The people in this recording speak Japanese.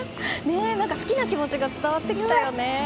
好きな気持ちが伝わってきたよね。